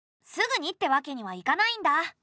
すぐにってわけにはいかないんだ。